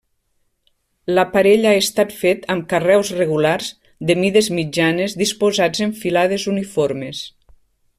L'aparell ha estat fet amb carreus regulars de mides mitjanes disposats en filades uniformes.